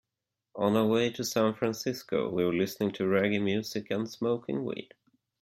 On our way to San Francisco, we were listening to reggae music and smoking weed.